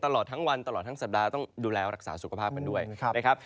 ตลอดทั้งวันตลอดทั้งสัปดาห์ต้องดูแลรักษาสุขภาพกันด้วยนะครับ